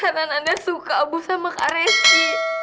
karena nanda suka bu sama kak reski